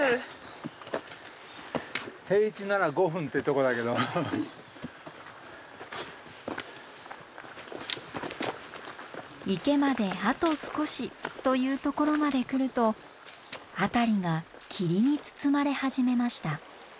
これはもう全部池まであと少しというところまで来ると辺りが霧に包まれ始めました。